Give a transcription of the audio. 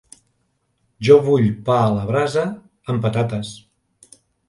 Jo vull pa a la brasa amb patates.